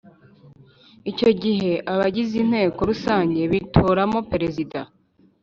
Icyo gihe abagize Inteko Rusange bitoramo Perezida